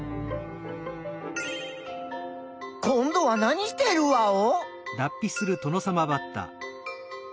今どは何してるワオ？